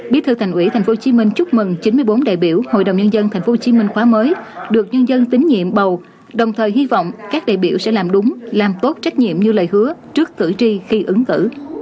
bí thư thành ủy tp hcm chúc mừng chín mươi bốn đại biểu hội đồng nhân dân tp hcm khóa mới được nhân dân tín nhiệm bầu đồng thời hy vọng các đại biểu sẽ làm đúng làm tốt trách nhiệm như lời hứa trước cử tri khi ứng cử